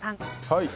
はい。